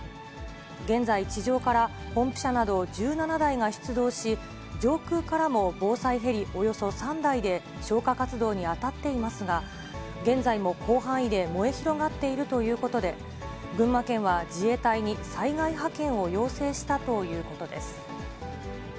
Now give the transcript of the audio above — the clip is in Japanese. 現在、地上からポンプ車など１７台が出動し、上空からも防災ヘリおよそ３台で消火活動に当たっていますが、現在も広範囲で燃え広がっているということで、群馬県は自衛隊に災害派遣を要請したということです。